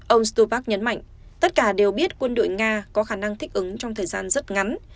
ông stopak nhấn mạnh tất cả đều biết quân đội nga có khả năng thích ứng trong thời gian rất ngắn